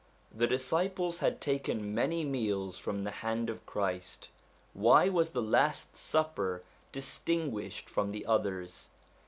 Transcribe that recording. The disciples had taken many meals from the hand of Christ; why was the last supper distinguished from the others?